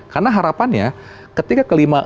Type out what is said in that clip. karena harapannya ketika kelima